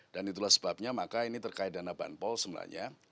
dan itulah sebabnya maka ini terkait dana banpol sebenarnya